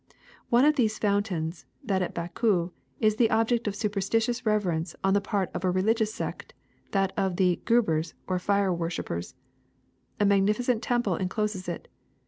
One of these foun tains, that at Baku, is the object of superstitious reverence on the part of a religious sect, that of the Guebers or fire worshipers. A magnificent temple encloses it.